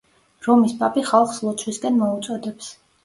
რომის პაპი ხალხს ლოცვისკენ მოუწოდებს.